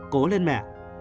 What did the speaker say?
cố lên mẹ